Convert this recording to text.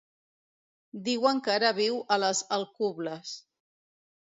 Diuen que ara viu a les Alcubles.